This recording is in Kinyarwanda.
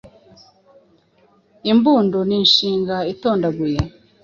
Imbundo ni inshinga idatondaguye